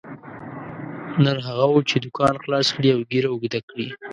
نر هغه وو چې دوکان خلاص کړي او ږیره اوږده کړي.